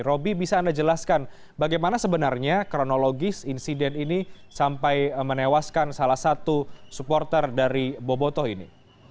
roby bisa anda jelaskan bagaimana sebenarnya kronologis insiden ini sampai menewaskan salah satu supporter dari boboto ini